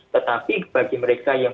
tetapi bagi mereka yang